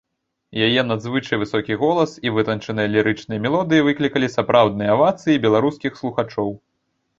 Яе надзвычай высокі голас і вытанчаныя лірычныя мелодыі выклікалі сапраўдныя авацыі беларускіх слухачоў.